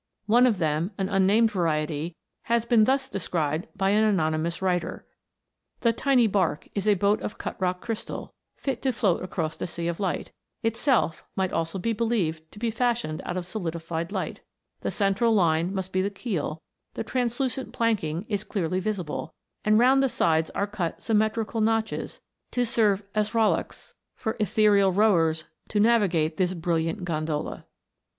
One of them, an unnamed variety, has been thus de scribed by an anonymous writer : "The tiny bark is a boat of cut rock crystal, fit to float across a sea of light; itself might almost be believed to be fashioned out of solidified light. The central line must be the keel; the translucent planking is clearly visible; and around the sides are cut symmetrical notches, to * Aaterionella. t Fragilaria. Bacillaria. 224 THE INVISIBLE WOULD. serve as rullocks for ethereal rowers to navigate this brilliant gondola."